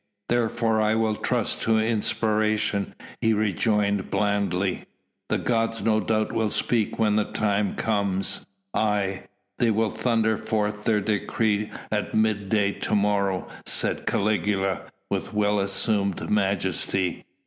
"Therefore will I trust to inspiration," he rejoined blandly. "The gods no doubt will speak when the time comes." "Aye! They will thunder forth their decree at midday to morrow," said Caligula, with well assumed majesty.